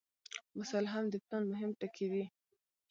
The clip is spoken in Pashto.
وسایل هم د پلان مهم ټکي دي.